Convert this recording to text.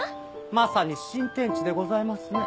まさに新天地でございますね。